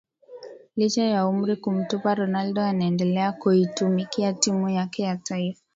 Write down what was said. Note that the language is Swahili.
Licha ya umri kumtupa Ronaldo anaendelea kuitumikia timu yake ya taifa